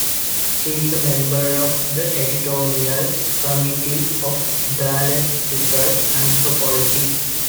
She is a member of the editorial committee of "Dialectical Anthropology".